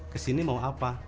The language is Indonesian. kesini mau apa